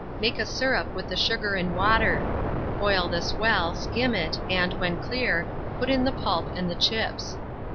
Make a syrup with the sugar and water; boil this well, skim it, and, when clear, put in the pulp and chips.